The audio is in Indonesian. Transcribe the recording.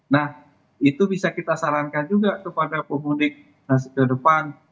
nah itu bisa kita sarankan juga kepada pemudik ke depan